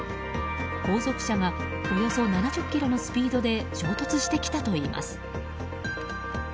後続車がおよそ７０キロのスピードで衝突してきたといいます。